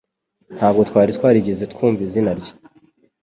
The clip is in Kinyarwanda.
Ntabwo twari twarigeze twumva izina rye